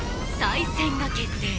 再戦が決定